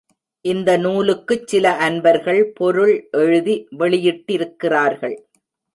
இந்த நூலுக்குச் சில அன்பர்கள் பொருள் எழுதி வெளியிட்டிருக்கிறார்கள்.